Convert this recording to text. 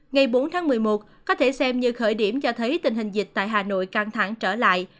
ngày bốn tháng một mươi một có thể xem như khởi điểm cho thấy tình hình dịch tại hà nội căng thẳng trở lại